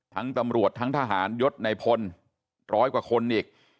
ตำรวจทั้งทหารยศในพลร้อยกว่าคนอีก